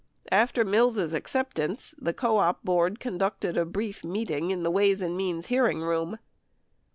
50 After Mills' acceptance, the co op board conducted a brief meeting in the Ways and Means hearing room.